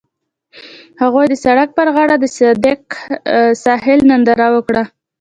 هغوی د سړک پر غاړه د صادق ساحل ننداره وکړه.